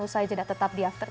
usai jeda tetap di after sepuluh